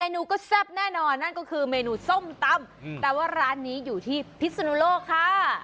นูก็แซ่บแน่นอนนั่นก็คือเมนูส้มตำแต่ว่าร้านนี้อยู่ที่พิศนุโลกค่ะ